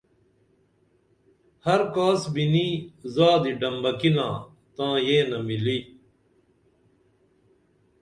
ہر کاس بِنی زادی ڈمبکِنا تاں یینہ مِلی